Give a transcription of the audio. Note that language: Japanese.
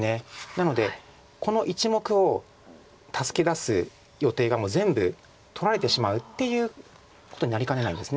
なのでこの１目を助け出す予定がもう全部取られてしまうっていうことになりかねないんです。